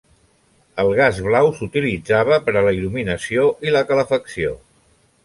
El gas blau s'utilitzava per a la il·luminació i la calefacció.